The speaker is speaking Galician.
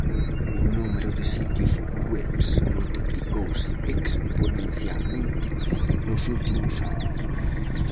O número de sitios webs multiplicouse exponencialmente nos últimos anos.